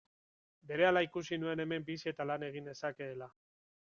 Berehala ikusi nuen hemen bizi eta lan egin nezakeela.